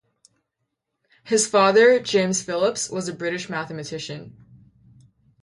His father, James Phillips, was a British mathematician.